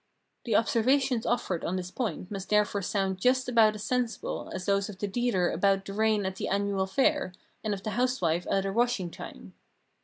The observations offered on this point must therefore sound just about as sensible as those of the dealer about the rain at the annual fair, and of the housewife at her washing time.